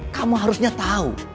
kamu harusnya tahu